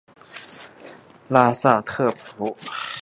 拉特纳普勒区是斯里兰卡萨伯勒格穆沃省的一个区。